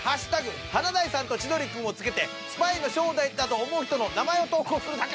華大さんと千鳥くんを付けてスパイの正体だと思う人の名前を投稿するだけ！